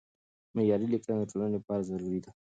معیاري لیکنه د ټولنې لپاره ضروري ده.